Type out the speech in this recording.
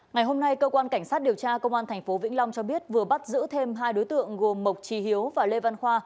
ngày hôm nay cơ quan cảnh sát điều tra công an tp vĩnh long cho biết vừa bắt giữ thêm hai đối tượng gồm mộc trí hiếu và lê văn khoa